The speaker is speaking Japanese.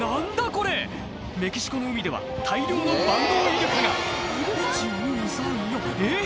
これメキシコの海では大量のバンドウイルカが１・２・３・４えっ？